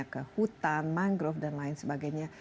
ke hutan mangrove dan lain sebagainya